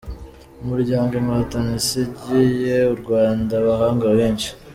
umuryango Inkotanyi isigiye u Rwanda abahanga benshi